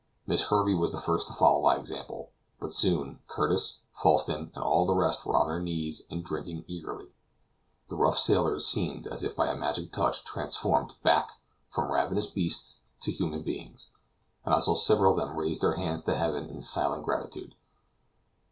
Miss Herbey was the first to follow my example, but soon Curtis, Falsten, and all the rest were on their knees and drinking eagerly. The rough sailors seemed as if by a magic touch transformed back from ravenous beasts to human beings, and I saw several of them raise their hands to heaven in silent gratitude.